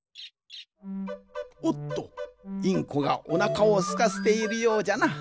おっとインコがおなかをすかせているようじゃな。